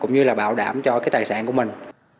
cũng như là bảo đảm cho cái tài sản của mình